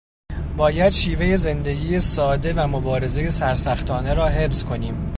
باید شیوهٔ زندگی ساده و مبارزه سرسختانه را حفظ کنیم.